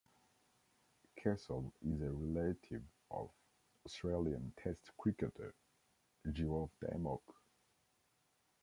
Cassell is a relative of Australian Test cricketer Geoff Dymock.